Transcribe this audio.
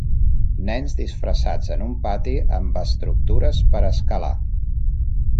Nens disfressats en un pati amb estructures per escalar.